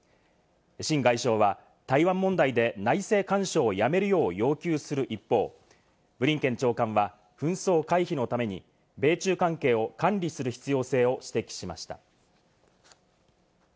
シン外相は台湾問題で内政干渉をやめるよう要求する一方、ブリンケン長官は紛争回避のために米中関係を管理する必要性を指摘しました。